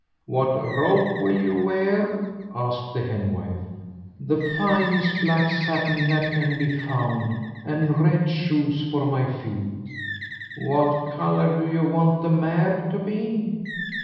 "What robe will you wear?" asked the henwife. "The finest black satin that can be found, and red shoes for my feet." "What colour do you want the mare to be?"